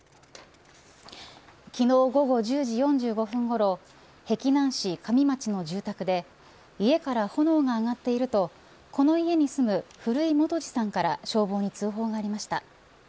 昨日、午後１０時４５分ごろ碧南市上町の住宅で家から炎が上がっているとこの家に住む古居元治さんから消防に通報がありました。